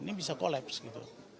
ini bisa kolaps gitu